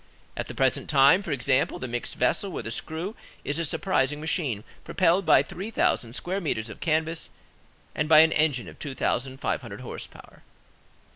At the present time, for example, the mixed vessel with a screw is a surprising machine, propelled by three thousand square metres of canvas and by an engine of two thousand five hundred horse power.